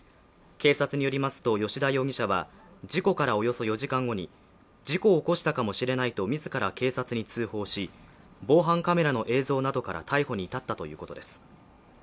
警察によりますと、吉田容疑者は事故からおよそ４時間後に事故を起こしたかもしれないと自ら警察に通報し、防犯カメラの映像などから逮捕に至ったということです。